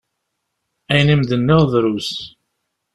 Ayen i am-d-nniɣ drus.